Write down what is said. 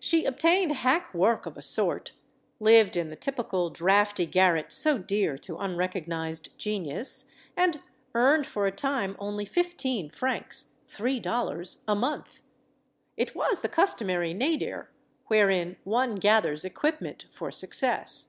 She obtained hack work of a sort, lived in the typical drafty garret so dear to unrecognized genius, and earned for a time only fifteen francs three dollars a month. It was the customary nadir, wherein one gathers equipment for success.